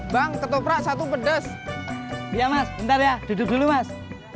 bang ketoprak satu pedas ya mas bentar ya duduk dulu mas